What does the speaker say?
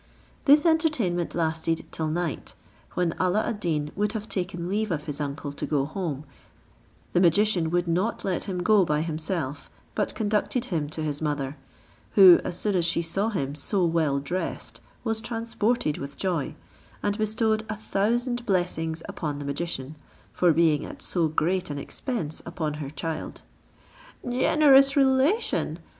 This entertainment lasted till night, when Alla ad Deen would have taken leave of his uncle to go home; the magician would not let him go by himself, but conducted him to his mother, who, as soon as she saw him so well dressed, was transported with joy, and bestowed a thousand blessings upon the magician, for being at so great an expense upon her child. "Generous relation!"